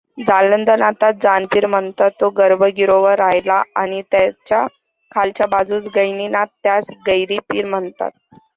जालंदनाथास जानपीर म्हणतात, तो गर्भगिरोवर राहिला आणि त्याच्या खालच्या बाजूस गहिनीनाथ त्यासच गैरीपीर म्हणतात.